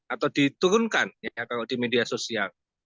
atau diturunkan ya kalau di media sosial